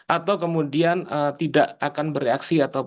atau kemudian tidak akan bereaksi dengan itu